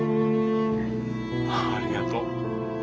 ありがとう。